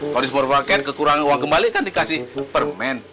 kalau di supermarket kekurangan uang kembali kan dikasih permen